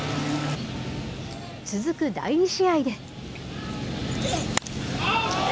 続く第２試合で。